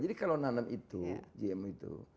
jadi kalau nanam itu gmo itu